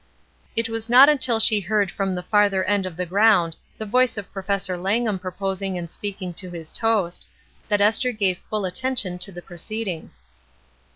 It was not until she heard from the farther end of the ground the voice of Professor Langham proposing and speaking to his toast, that Esther gave full attention to the pro ceedings.